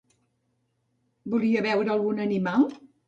Volia veure algun animal?